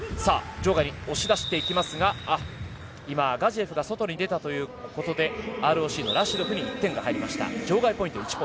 場外に押し出していきますが今、ガジエフが外に出たということでＲＯＣのラシドフに１点が入りました。